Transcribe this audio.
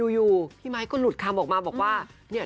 อยู่พี่ไมค์ก็หลุดคำออกมาบอกว่าเนี่ย